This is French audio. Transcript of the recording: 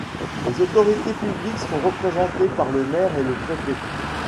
Les autorités publiques sont représentées par le maire et le préfet.